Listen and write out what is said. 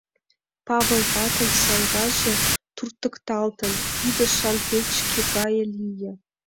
Павыл ватын саҥгаже, туртыкталтын, пидышан печке гае лие.